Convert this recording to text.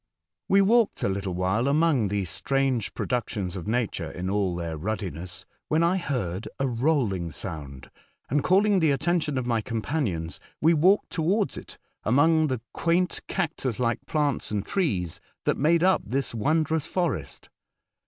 We walked a little while among these strange productions of nature in all their ruddiness, when I heard a rolling sound, and calling the attention of my companions, we walked to I The Ice Island. " 105 Avards it among the quaint cactus like plants and trees that made up this wondrous forest.